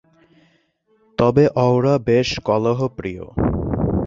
তবে অওরা বেশ কলহপ্রিয়।